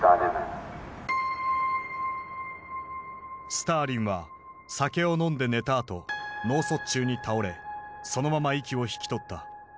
スターリンは酒を飲んで寝たあと脳卒中に倒れそのまま息を引き取った。